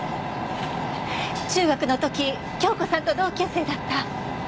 中学の時京子さんと同級生だった。